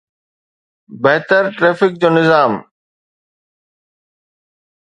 بهتر ٽرئفڪ جو نظام.